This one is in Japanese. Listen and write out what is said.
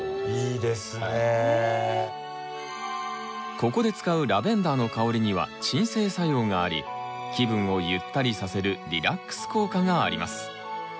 ここで使うラベンダーの香りには鎮静作用があり気分をゆったりさせるリラックス効果があります。